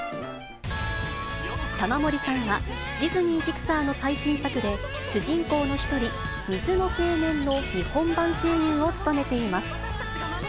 玉森さんは、ディズニー・ピクサーの最新作で、主人公の一人、水の青年の日本版声優を務めています。